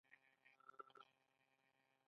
د کولرا لپاره باید څه شی وکاروم؟